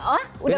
oh sudah bagus